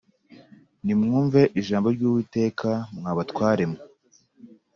Nimwumve ijambo ry’Uwiteka, mwa batwaremwe